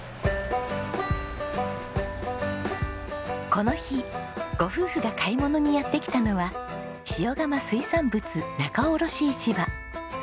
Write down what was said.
この日ご夫婦が買い物にやって来たのは塩釜水産物仲卸市場。